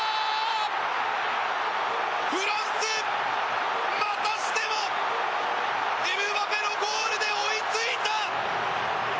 フランス、またしてもエムバペのゴールで追いついた！